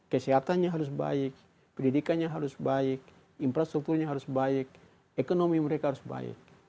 kesehatannya harus baik pendidikannya harus baik infrastrukturnya harus baik ekonomi mereka harus baik